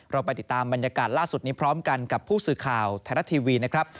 เราไปติดตามบรรยากาศล่าสุดนี้พร้อมกันกับผู้สื่อข่าวไทยรัฐทีวีนะครับ